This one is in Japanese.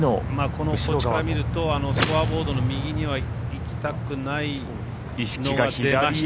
こっちから見るとスコアボードの右には行きたくない。